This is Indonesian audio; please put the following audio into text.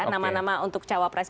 nama nama untuk cawa press